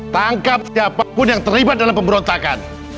tangkap siapa pun yang terlibat dalam pemberontakan